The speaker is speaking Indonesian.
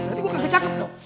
berarti gue kagak cakep dong